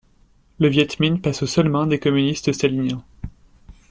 Le Viêt Minh passe aux seules mains des communistes staliniens.